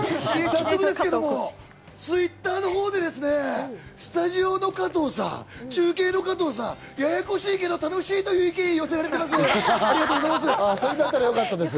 早速ですけれども、Ｔｗｉｔｔｅｒのほうでですね、スタジオの加藤さん、中継の加藤さん、ややこしいけど楽しいという意見、寄せられてます。